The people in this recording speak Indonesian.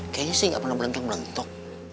kayaknya sih gak pernah berlengkang belengtok